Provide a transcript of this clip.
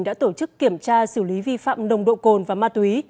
đã tổ chức kiểm tra xử lý vi phạm nồng độ cồn và ma túy